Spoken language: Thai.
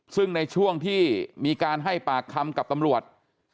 ซึ่งในช่วงที่มีการให้ปากคำกับตำรวจ